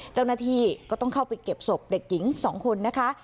เจ้าหน้าที่ก็ต้องเข้าไปเก็บศพเด็กหญิง๒คนนะคะ